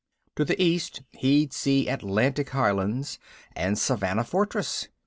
To the east he'd see Atlantic Highlands and Savannah Fortress.